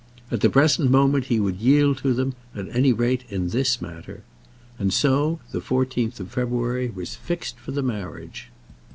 At the present moment he would yield to them, at any rate in this matter. And so the fourteenth of February was fixed for the marriage.